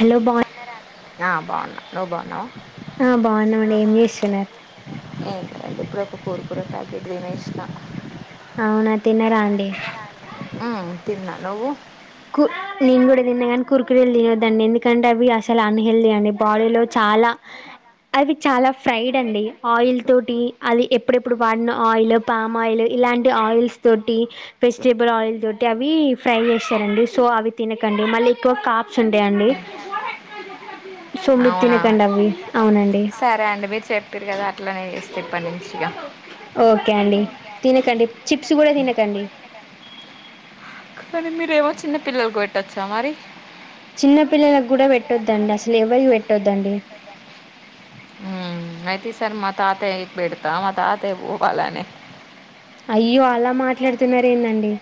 Hello బాన్ ఆ బాగున్నా, నువ్వు బాగున్నవ? ఆ బాగున్నమండి, ఏం చేస్తున్నరు? అండి ఇప్పుడే ఒక కురుకురే ప్యాకెట్ తినేసిన. అవునా తిన్నారా అండి? మ్మ్, తిన్నా నువ్వు కు నేను కూడా తిన్నా గని కురుకురేలు తినొద్దండి, ఎందుకంటే అవి అసలు అన్హెల్దీ అండి బాడీలో చా లా అవి చాలా ఫ్రైడ్ అండి, ఆయిల్ తోటి అది ఎప్పుడెప్పుడు వాడిన ఆయిల్, పామ్ ఆయిల్ ఇలాంటి ఆయిల్స్ తోటి, వెజిటేబుల్ ఆయిల్ తోటి అవి ఫ్రై చేస్ రండి సో అవి తినకండి మళ్ళీ ఎక్కువ కాప్స్ ఉంటయండి. అవునా, సరే అండి మీరు చెప్పిర్రు కదా అట్లనే చేస్త ఇప్పటి నుంచి ఇగా ఓకే అండి తినకండి, చిప్స్ కూడా తినకండి. కానీ మీరేమో చిన్న పిల్లలకు పెట్టొచ్చా మరి? చిన్న పిల్లలకు కూడా పెట్టొద్దండి అసలు ఎవరికి పెట్టొద్దండి. మ్మ్, అయితే ఈసారి మా తాతయ్యకి పెడతా, మా తాతయ్య పోవాలని అయ్యో అలా మాట్లాడుతున్నారు ఏందండి?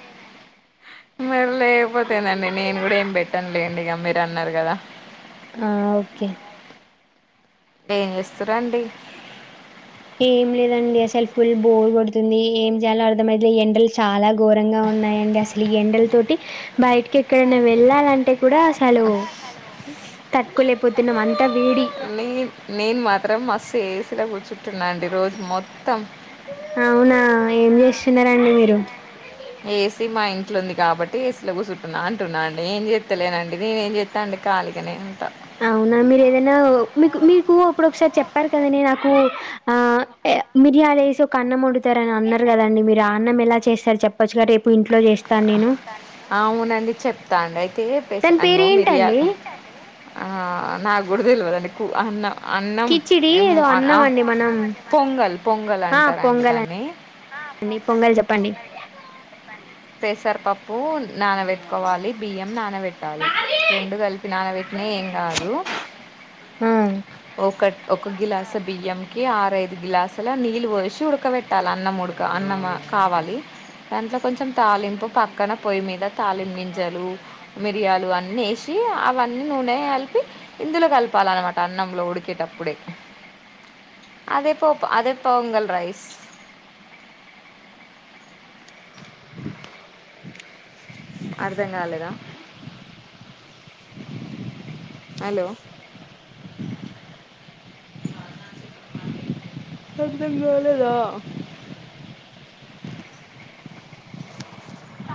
మరి లేకపోతే ఏందండి నేను కూడా ఏం పెట్టనులేండి ఇగ మీరు అన్నారు కదా. ఆ ఓకే ఏం చేస్తురండి? ఏం లేదండి అసలు ఫుల్ బోర్ కొడుతుంది, ఏం చేయాలో అర్థమైతలేదు, ఎండలు చాలా ఘోరంగా ఉన్నాయి. అండి అసలు ఈ ఎండల తోటి బయటకి ఎక్కడన్నా వెళ్ళాలంటే కూడా అసలు తట్టుకోలేకపోతున్నాం అంతా వేడి నే నేను మాత్రం మస్తు ఏ సీల కూర్చుంటున్నా అండి రోజు మొత్తం. అవునా ఏం చేస్తున్నారండి మీరు? ఏ సి మా ఇంట్లో ఉంది కాబట్టి ఏసిలో కూసుంటున్నా అంటున్నా అండి, ఏం చేత్తలేనండి నేనే ఏం చేత్త అండి. ఖాళీగనే ఉంటా. మీరు ఏదైనా మీకు మీకు అప్పుడొకసారి చెప్పారు కదండి నాకు ఆ ఏ మీర్ చెప్ ఏ- చారేసి ఒక అన్నం వండుతారు అని అన్నరు కదండి మీరు ఆ అన్నం ఎలా చేస్తారు చెప్పచ్చుగా రేపు ఇంట్లో చేస్తాను నేను. అవునండి చెప్తాండి. ఇదే పేస్ దాని అంగో మిర్యాల్ పేరేంటండి ఆ నాకు కూడా తెలివదండి కూ అన్న అన్నం కిచిడి ఏదో ఏమ అన్నామండి మనం పొంగల్ పొంగల్ అంటారండి దాన్ని నీ పొంగల్ చెప్పండి. పెసరపప్పు నానబెట్టుకోవాలి, బియ్యం నానబెట్టాలి, రెండు కలిపి నానబెట్టి ఏం కాదు ఆ ఒక ఒక కిలో అంత బియ్యం కి ఆరుఐదు పది గ్లాసులో నీళ్ళు పోసి ఉడకబెట్టాలి అన్నం ఉడికాక అన్నం కావాలి దాంట్లో కొంచెం తాలింపు పక్కన పొయ్యి మీద తాలింపు గింజలు మిరియాలు అన్నీ వేసి అవన్నీ నూనె కలిపి ఇందులో కలపాలన్నమాట. అన్నంలో ఉడికేటప్పుడే అదే పో అదే పోంగల్ రైస్. అర్థం కాలేదా? హలో! అర్థం కాలేదా? [inaudible]